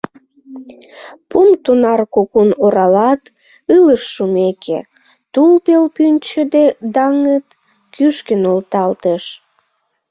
Пум тунар кугун оралат, ылыж шумеке, тул пел пӱнчӧ даҥыт кӱшкӧ нӧлталтеш.